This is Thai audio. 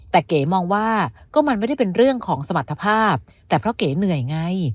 แต่เก๋มองว่าก็มันไม่ได้เป็นเรื่องของสมรรถภาพแต่เพราะเก๋เหนื่อยไง